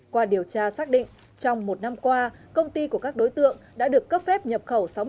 qua điều tra xác định trong một năm qua công ty của các đối tượng đã được cấp phép nhập khẩu